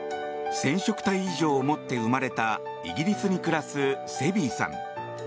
染色体異常を持って生まれたイギリスに暮らすセビーさん。